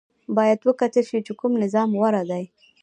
باید وکتل شي چې کوم نظام غوره دی.